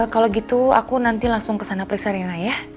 kalau gitu aku nanti langsung kesana periksa riana ya